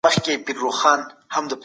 د نفس غږ نه اورېدل کېږي.